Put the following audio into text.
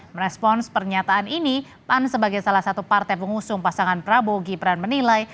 merespons pernyataan ini pan sebagai salah satu partai pengusung pasangan prabowo gibran menilai